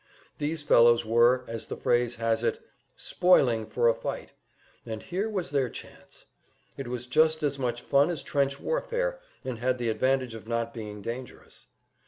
These fellows were, as the phrase has it, "spoiling for a fight;" and here was their chance. It was just as much fun as trench warfare, and had the advantage of not being dangerous.